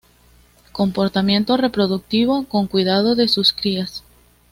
Comportamiento reproductivo con cuidado de sus crías.